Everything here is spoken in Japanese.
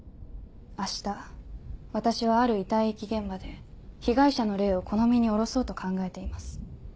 明日私はある遺体遺棄現場で被害者の霊をこの身に降ろそうと考えています。